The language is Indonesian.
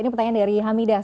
ini pertanyaan dari hamidah